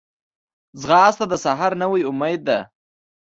ځغاسته د سحر نوی امید ده